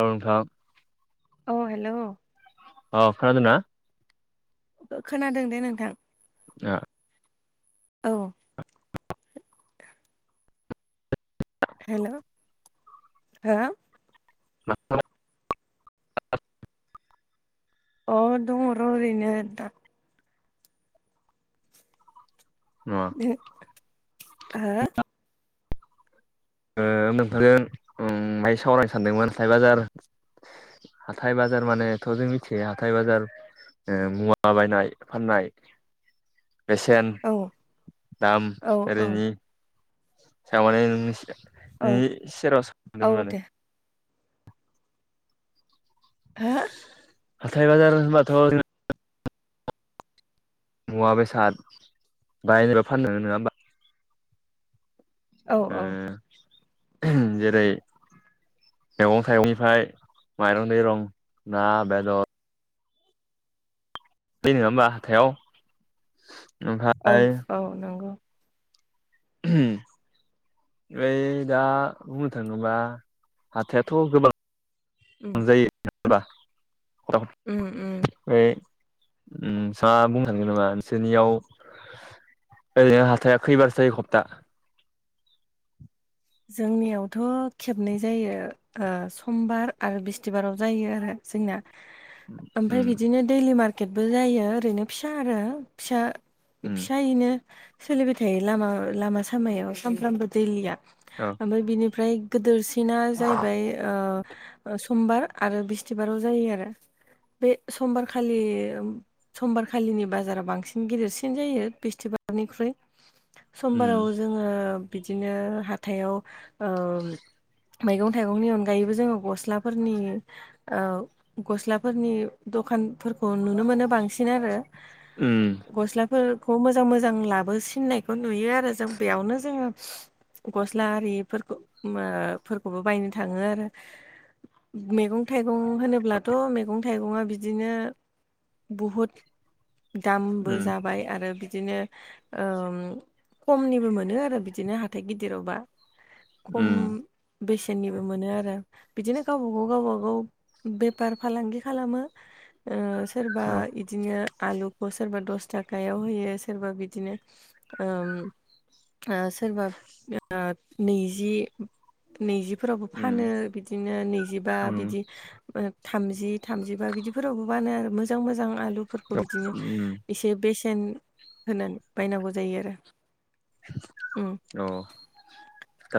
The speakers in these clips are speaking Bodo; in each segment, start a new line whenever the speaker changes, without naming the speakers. औ नोंथां।
अ हेल'!
अ खोनादोंना?
खोनादों दे नोंथां।
ओ
औ। हेलौ हो
[unintelligible]
अ दङ र ओरैनो दा
[unintelligible]
हो
ओ नोंथांजों ओ बाय सावरायनो सानदोंमोन हाथाइ बाजार हाथाय बाजार मानेथ' जों मिथिखायो हाथाय बाजार ओ मुवा बायनाय फाननाय बेसेन
हो
दाम
औ औ
ओरैनि थारमानि नोंनि
औ
नोंनि [unintelligible]
औ
दोंमोन मानि
दे हो?
हाथाय बाजार होनबाथ' जों मुवा बेसाद बायनोबा फाननो नोङा होमबा?
औ
ओ‌
औ
जेरै मैगं थाइगंनिफ्राय माइरं दैरं ना बेदर फैयो नोङा होमबा हाथायाव?
औ
ओमफ्राय
औ नोंगौ।
यै दा बुंनो थाङोबा हाथायाथ' गोबां
उम
[unintelligible] बा [unintelligible]
उम उम
फाय ओ सा बुंनो थांङो नामा नोंसोरनियाव ओरैनो हाथाया खैबारसायो हप्ता?
जोंनियावथ' खेबनै जायो ओ समबार आरो बिस्थिबाराव जायो आरो जोंना ओमफाय
उम
बिदिनो दैलि मार्केटबो जायो ओरैनो फिसा आरो फिसा
उम
फिसायैनो सोलिबाय थायो लामा लामा सामायाव सामफ्रामबो दैलिया
औ।
ओमफाय बिनिफ्राय गोदिरसिना जायबाय ओ ओ समबार आरो बिस्थिबाराव जायो आरो बे समबारखालि समबारखालिनि बाजाराव बांसिन गिदिरसिन जायो बिस्थिबारनिख्रुइ
उम
समबाराव जोङो बिदिनो हाथायाव ओ मैगं थाइगंनि अनगायैबो जोङो गस्लाफोरनि औ गस्लाफोरनि दखानफोरखौ नुनो मोनो बांसि सिन आरो‌
उम
गस्ला फोरखौ मोजां मोजां लाबो सिननायखौ नुयो आरो जों बेयावनो जोङो गस्ला आरिफोरखो ओ फोरखौबो बायनो थाङो आरो। मैगं थाइगं होनोब्लाथ' मैगं थाइगङा बिदिनो बहुत दामबो
उम
जा बाय आरो बिदिनो ओम‌ खमनिबो मोनो आरो बिदिनो हाथाइ गि दिरावबा खम
उम
बेसेननिबो मोनो आरो बिदिनो गावबागाव गावब गाव बेफार फालांगि खालामो ओ सोरबा
औ
बिदिनो आलुखौ सोरबा दस थाखायाव होयो सोरबा बिदिनो ओम ओ सोरबा ओ नैजि नैजिफोरावबो
उम
फानो बिदिनो नैजिबा
उम
बिदि ओ थामजि थामजिबा बिदिफोरावबो बानो आरो मोजां मोजां आलुफोरखौ
औ
बिदिनो
उम
एसे बेसेन होनानै बायनांगौ जायो आरो उम
औ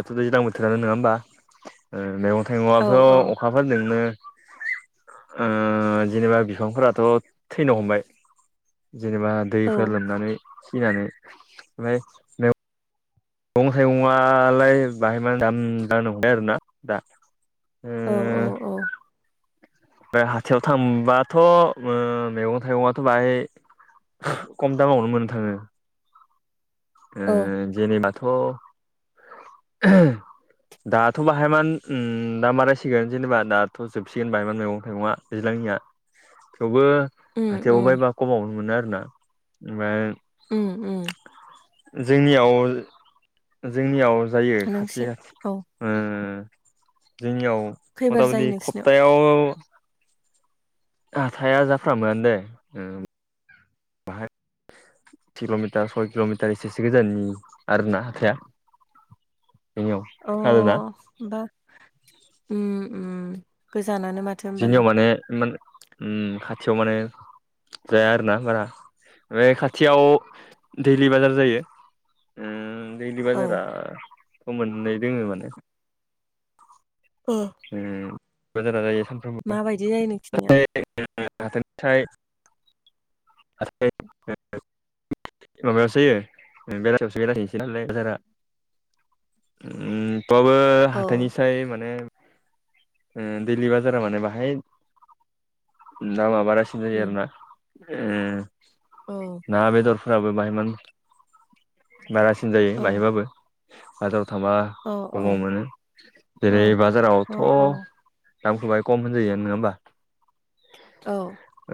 दैज्लां बोथोरानो नङा होमबा ओ मैगं
औ
थाइगङाथ' अखाफोरजोंनो ओ जेनेबा बिफांफोराथ' थैनो हमबाय जेनेबा
औ
दैफोर लोमनानै सिनानै ओमफाय नो मैगं थाइगंआलाय बाहाय मा दाम जानो हमबाय आरोना दा ओ
औ औ औ
ओमफाय हाथायाव थांबाथ' मैगं थाइगङाथ' बाहाय खम दामावनो मोननो थाङो। ओ
औ
जेनेबाथ'
[inaudible]
दाथ' बाहाय मान उम दाम बारायसिगोन जेनेबा दाथ' जोबसिगोन बाहायान मैगं थाइगंआ। दैज्लांनिया थेवबो
उम
हाथायाव
उम
बबायबा खमावनो मोनो आरोना। ओमफाय
उम उम
जोंनियाव जोंनियाव जायो खाथि
नोंसि
खाथि
औ
ओ जोंनियाव
खैबार
मथा
जायो
मथि
नोंसिनाव
सप्तायाव हाया जाफ मोन दे बाहाय किल'मिटार सय किल'मिटार एसेसो गोजाननि आरो ना हाथाया जोंनियाव
अ
खोनादोंना
बा उम गोजानानो माथो होमबालाय
जोंनियाव माने इान उम खाथियाव माने जाया आरोना बारा ओमफ्राय खाथियाव दैलि बाजार जायो उम दैलि
औ
बाजारा मोननाय दोङ माने
ओ
उम बाजार जाखायो साम
माबायदि जायो नोंसिनिया
[unintelligible] थोननिफ्राय [unintelligible] माबायावसोयो बेलासियावसो बेलासिसै नालाय बाजारा उम थबाबो
औ
हाथथायनिसाय माने ओ दिलि बाजारा माने बाहाय दामा बारासि सि जायो आरोना उम
अ
ना बेदरफोराबो बाहायान बारासिन जायो
औ
बाहायबाबो बाजाराव थांबा
औ
खमाव मोनो जेरै
औ अ औ
बाजारावथ' दामखौ बाहाय खम होनजायो नङा होमबा
औ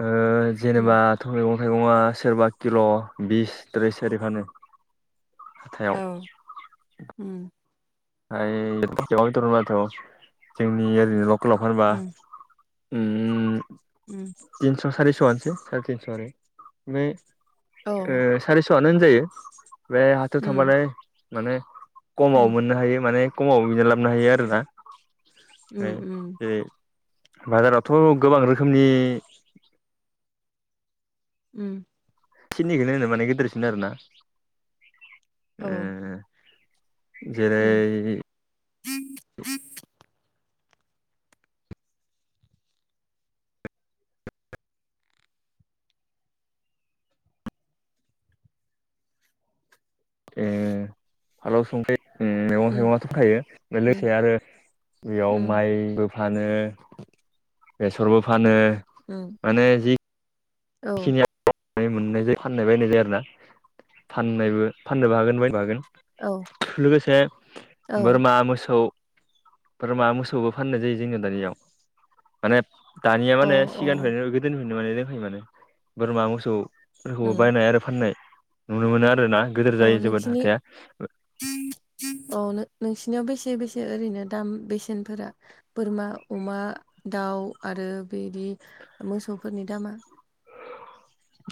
ओ
उम
जेनेबााथ' मैगं थाइगं सोरबा किल' बिस थ्रिस थारि फानो
औ
हाथायाइाव
उम
बे दर माथ' जोंनि ओरैनो बिबखौ लांफानोबा
उम
उम
उम
थिनस' सारिस'आनोसै साराय थिनस'आनो ओमफ्राय
औ
ओ सारिस'आनो जायो बे हाथायाव
उम
थांबालाय माने खमाव
उम
मोननो हायो माने कमाव बिदिनो लाबोनो हायो आरोना
उम
ओमफाय
उम
जेरै बाजारावथ' गोबां रोखोमनि
उम
सिनिखोनो होनो माने गेदिरसिन आरो ना।
औ उम
जेरै
[inaudible]
एह फालाव संखायो मैगं
उम
थाइगंआथ'खायो लोगोसे
उम
आरो बेयाव
उम
माइबो फानो बेसरबो फानो
उम
माने जि
औ
खिनि मोननाय जायो फाननाय बायनाय जायो आरो ना फाननायबो फाननोबो हागोन बायनो हागोन
औ
लोगोसे
औ
बोरमा मोसौ बोरमा मोसौबो फाननाय जायो जोङो दानियाव माने दानिया
अ
माने सिगां ओ गोदो मोननो मनानै लोंखायो माने बोरमा मोसौफोरखौबो
उम
बायनाय आरो फाननाय नुनो मोनो आरोना गिदोर
अ
जायो जेबोद
नोंसिनि
हाथाया
औ नोंसिनियाव बेसे बेसे ओरैनो दाम बेसेनफोरा बोरमा अमा दाउ आरो बेदि मोसौफोरनि दामा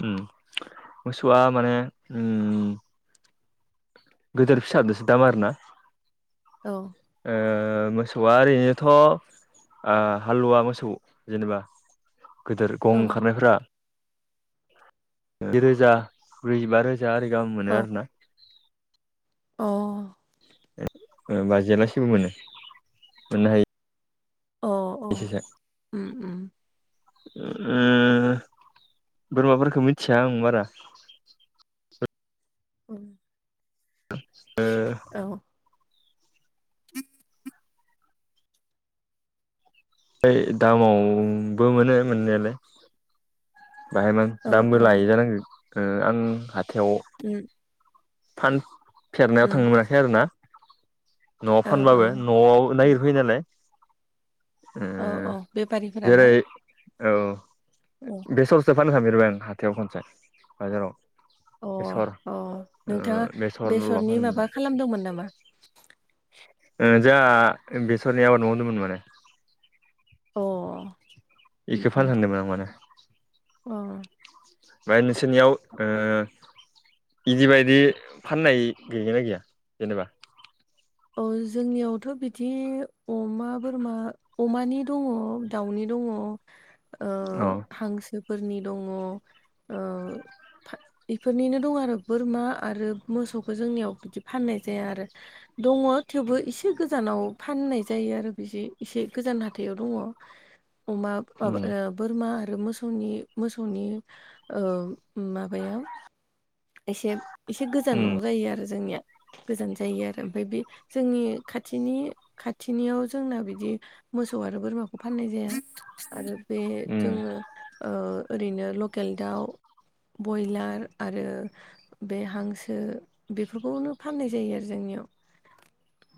उम मोसौआ माने उम गेदोर फिसाजोंसो दाम आरोना।
औ
ओ मोसौआ ओरैनोथ' ओ हालुवा मोसौ जेनेबा गेदोर गं
औ
ओंखारनायफोरा जिरोजा ब्रैजिबा रोजा जा आरै गाहाम मोनो
औ
आरो ना।
अ
बाजिलासेबो मोनो मोननो हायो।
अ अ उम उम
ओ बोरमाफोरखो मिथिया आं बारा।
[inaudible]
ओ
औ [inaudible]
ओमफाय दामावबो मोनो मोननायालाय। बाहाय मान
औ
दामबो
औ
लायो जानांगो ओ आं हाथायाव
[inaudible]
फानफेरनायाव
उम
थांनो मोनाखै आरो ना। न'आव
औ
फानब्लाबो न'आव
उम
नायगिरफैयो नालाय। ओ
औ औ बेफारिफोरा
जेरै
ना
औ
उम
बेसरसो फानखां फेरबाय आं हाथायाव खनसे बाजाराव
अ
बेसर
अ
ओ
नोंथाङा
बेसरल'
बेसरनि माबा
फानोमोनलाय
खालामदोंमोन नामा?
ओ जाहा बेसरनि आबाद मावदोंमोन माने
अ
इखो फान
उम
हैदों आं माने।
अ
ओमफ्राय नोंसोरनियाव ओ इदि बायदि फाननाय गैगोना गैया जेनेबा?
अ जोंनियावथ' बिदि अमा बोरमा अमानि दङ दाउनि दङ ओ
अ
हांसोफोरनि दङ ओ इफोरनिनो दं आरो बोरमा आरो मोसौखौ जोंनियाव बिदि फाननाय जाया आरो दङ थेवबो एसे गोजानाव फाननाय जायो आरो बिदि एसे गोजान हाथायाव दङ। अमा
उम
माबा ओ बोरमा आरो मोसौनि मोसौनि ओ माबाया एसे एसे गोजान
उम
नांगौ जायो आरो जोंनिया। गोजान जायो आरो ओमफाय बे जोंनि खाथिनि खाथिनियाव जोंना बिदि मोसौ आरो बोरमाखौ फाननाय जाया आरो बे
उम
जोङो ओरैनो लकेल दाउ बयलार आरो बे हांसो बेफोरखौनो फाननाय जायो आरो जोंनियाव।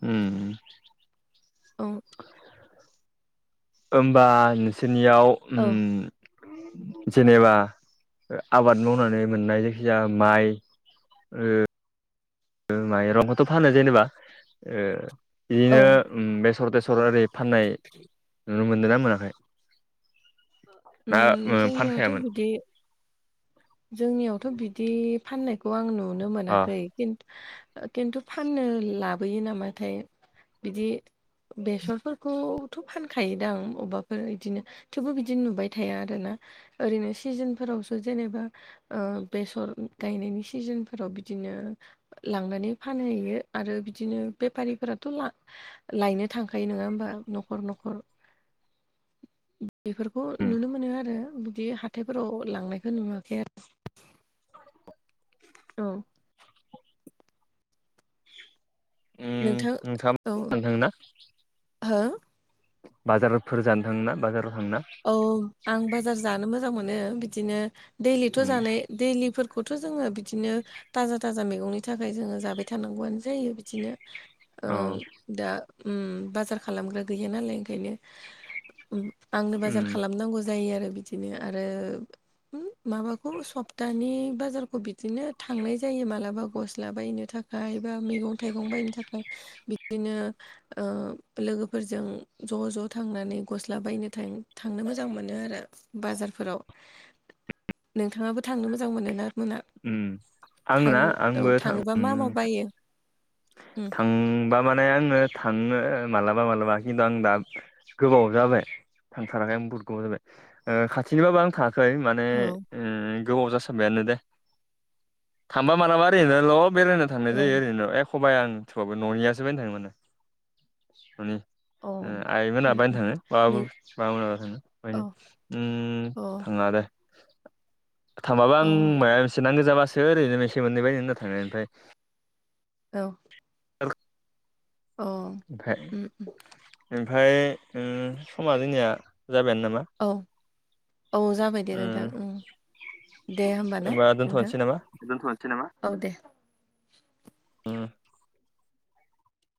उम।
औ।
होमबा नोंसोरनियाव
औ
उम जेनेबा आबाद मावनानै मोननाय जायखिजाया माइ माइरंखोथ' फानो जेनेबा ओ
औ
बिदिनो बेसर तेसर ओरै फाननाय नुनो मोनदों ना मोनाखै ना
उम जोंनियावथ'
फानखायामोन?
बिदि जोंनियावथ' बिदि फाननायखौ आं नुनो
अ
मोनाखै किन किन्तु फाननो लाबोयो नामाथाय बिदि बेसरफोरखौथ' फानखायोदां आ अबबाफोर बिदिनो थेवबो बिदि नुबाय थाया आरो ना ओरैनो सिजोनफोरावसो जेनेबा ओ बेसर गायनायनि सिजोनफोराव बिदिनो लांनानै फानहैयो आरो बिदिनो बेफारिफोराथ' लायनो थांखायो नङा होमबा न'खर न'खर बेफोरखौ
उम
नुनो मोनो आरो बिदि हाथायफोराव लांनाय नुवाखै आरो औ [inaudible]
उम
नोंथां औ
नोंथाङा
हो?
बाजारफोर जानो थांना बाजाराव थांना?
औ आं बाजार जानो मोजां मोनो। बिदिनो दैलिथ'
उम
जानाय दैलिफोरखौथ' जोङो बिदिनो थाजा थाजा मैगंनि थाखाय जोङो जाबाय थानांगौआनो जायो बिदिनो औ दा उम बाजार खालामग्रा गैया नालाय ओंखायनो आंनो बाजार
उम
खालामनांगौ जायो आरो बिदिनो आरो माबाखौ सप्तानि बाजारखौ बिदिनो थांनाय जायो मालाबा गस्ला बायनो थाख खाय एबा मैगं थाइगं बायनो थाखाय। बिदिनो ओ लोगोफोरजों ज' ज' थांनानै गस्ला बायनो थां थांनो मोजां मोनो आरो बाजारफोराव नोंथाङाबो थांनो मोजां मोनोना मोना?
उम
थां
आंना
औ
आंबो थां
थाङोबा मा मा
उम
बायो? उम,
थांबा माने आङो थांनो मालाबा मालाबा खिन्थु आं दा गोबाव जाबाय थांथाराखै आं बहु गोबाव जाबाय ओ खाथिनिबाबो आं थां खै माने
औ
गोबाव जासारबायानो दे। थांबा मानलाबा ओरैनोल' बेरायनो थांनाय
औ
जायो ओरैनो। एख बाया आं थेवबाबो [unintelligible] न'नियासो बायनो थाङो मोने न'नि
अ
आइमोना बायनो थाङो बाबो
नों
माबामोनाबा [unintelligible] थाङो
अ
बायनो। उम
अ
थाङा दे। थांबाबा आं माब मोनसे नांगौ जाबासो ओरैनो मोनसे मोननै बायनो होनना थाडों ओमफ्राय
औ।
[inaudible] ओमफाय
अ
ओमफ्राय समा जोंनिया जाबायानो नामा?
औ औ जाबाय दे नोंथां उम। दे होमब ना
होमबा
नोंथां।
दोनथ'नोसै नामा
दोनथ'सै नामा? औ दे।
ह [unintelligible]